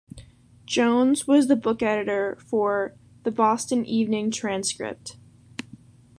Jones was the book editor for "The Boston Evening Transcript".